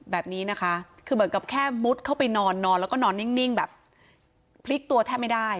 แบบนี้นะคะคือเหมือนกับแค่มุดเข้าไปนอนนอนแล้วก็นอนนิ่งแบบพลิกตัวแทบไม่ได้